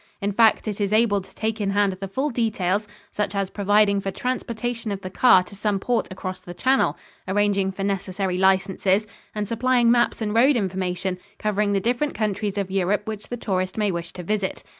In fact, it is able to take in hand the full details, such as providing for transportation of the car to some port across the Channel, arranging for necessary licenses and supplying maps and road information covering the different countries of Europe which the tourist may wish to visit.